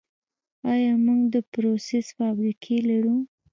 آیا موږ د پروسس فابریکې لرو؟